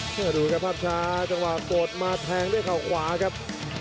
ดูครับภาพช้าจังหวะกดมาแทงด้วยเขาขวาครับ